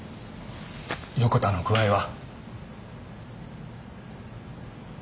横田の具合は？